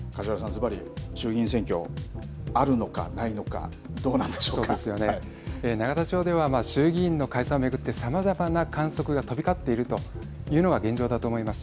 ずばり、衆議院選挙あるのかないのか永田町では衆議院の解散を巡ってさまざまな観測が飛び交っているというのが現状だと思います。